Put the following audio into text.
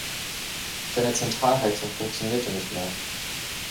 Seine Zentralheizung funktionierte nicht mehr